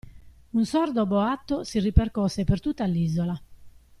Un sordo boato si ripercosse per tutta l'isola.